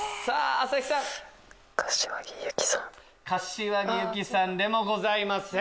柏木由紀さんでもございません。